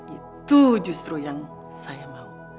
itu justru yang saya mau